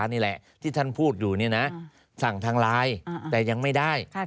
นี่แหละที่ท่านพูดอยู่นี่นะสั่งทางไลน์แต่ยังไม่ได้